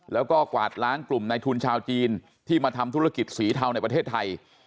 แล้วก็กวาดล้างกลุ่มในทุนชาวจีนที่มาทำธุรกิจสีเทาในประเทศไทย